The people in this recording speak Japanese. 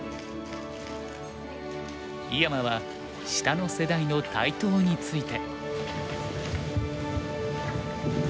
井山は下の世代の台頭について。